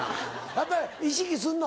やっぱり意識すんの？